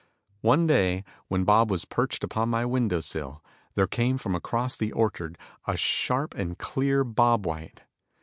One day, when Bob was perched upon my window sill, there came from across the orchard a sharp and clear bob white!